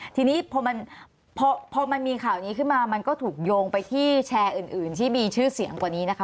ทีนี้พอมันมีข่าวนี้ขึ้นมามันก็ถูกโยงไปที่แชร์อื่นที่มีชื่อเสียงกว่านี้นะคะ